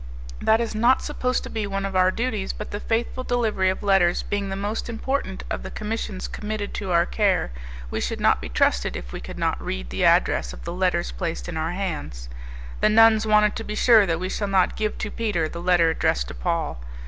"That is not supposed to be one of our duties but the faithful delivery of letters being the most important of the commissions committed to our care, we should not be trusted if we could not read the address of the letters placed in our hands. The nuns wanted to be sure that we shall not give to Peter the letter addressed to Paul.